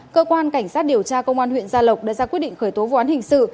cơ quan cảnh sát điều tra công an huyện gia lộc đã ra quyết định khởi tố vụ án hình sự